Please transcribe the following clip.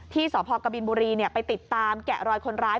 ที่สพกบินบุรีไปติดตามแกะรอยคนร้าย